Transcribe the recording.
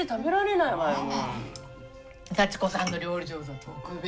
幸子さんの料理上手は特別。